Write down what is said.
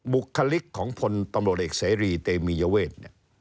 บุคลิกของพลตำรวจเอกเสรีเตมียเวท